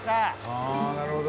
ああなるほど。